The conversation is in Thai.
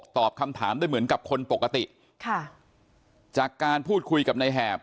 ตอบคำถามได้เหมือนกับคนปกติค่ะจากการพูดคุยกับในแหบ